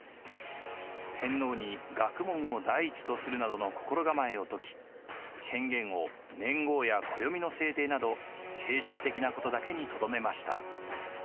天皇に学問を第一とするなどの心がまえを説き権限を年号や暦の制定など形式的なことだけにとどめました。